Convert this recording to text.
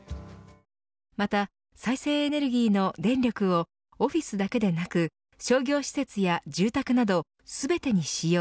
また、再生エネルギーの電力をオフィスだけでなく商業施設や住宅などすべてに使用